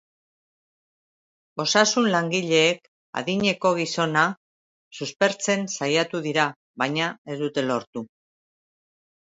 Osasun-langileek adineko gizona suspertzen saiatu dira, baina ez dute lortu.